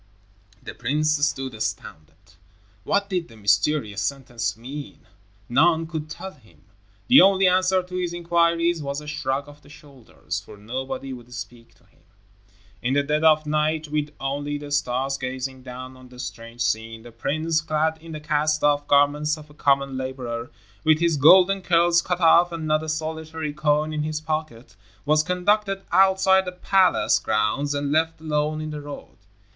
The prince stood astounded. What did the mysterious sentence mean? None could tell him. The only answer to his inquiries was a shrug of the shoulders, for nobody would speak to him. In the dead of night, with only the stars gazing down on the strange scene, the prince, clad in the cast off garments of a common laborer, with his golden curls cut off and not a solitary coin in his pocket, was conducted outside the palace grounds and left alone in the road.